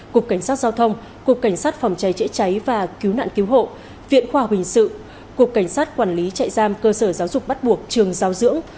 cục cảnh sát giao thông cục cảnh sát phòng cháy trễ cháy và cứu nạn cứu hộ viện khoa huyền sự cục cảnh sát quản lý chạy giam cơ sở giáo dục bắt buộc trường giáo dưỡng